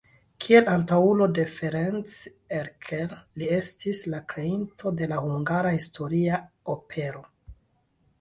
Kiel antaŭulo de Ferenc Erkel li estis la kreinto de la hungara historia opero.